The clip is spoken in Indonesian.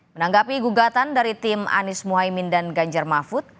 menanggapi gugatan dari tim anies mohaimin dan ganjar mahfud